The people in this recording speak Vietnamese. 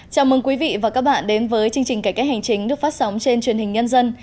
chào mừng quý vị và các bạn đến với chương trình cải cách hành chính được phát sóng trên truyền hình nhân dân